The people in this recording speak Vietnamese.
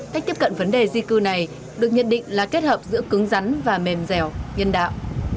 cách tiếp cận vấn đề di cư này được nhận định là kết hợp giữa cứng rắn và mềm dẻo nhân đạo